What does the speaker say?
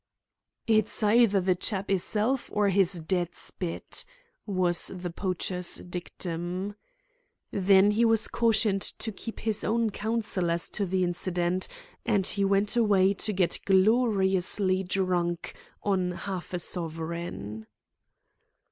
"It's either the chap hisself or his dead spit," was the poacher's dictum. Then he was cautioned to keep his own counsel as to the incident, and he went away to get gloriously drunk on half a sovereign.